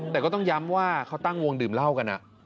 แต่ก็ต้องย้ำว่าเขาตั้งวงดื่มเหล้ากัน